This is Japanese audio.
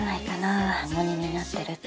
あ重荷になってるって。